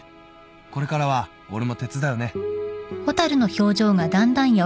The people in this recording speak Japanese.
「これからは俺も手伝うね」